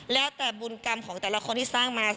แล้วแต่บุญกรรมของแต่ละคนที่สร้างมา